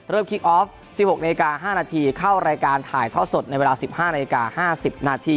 เริ่มคลิกออฟ๑๖น๕นเข้ารายการถ่ายท่อสดในเวลา๑๕น๕๐น